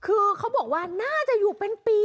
คือเขาบอกว่าน่าจะอยู่เป็นปี